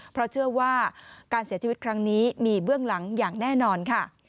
เพราะเชื่อว่าการเสียชีวิตครั้งนี้มีเบื้องหลังอย่างแน่นอนค่ะ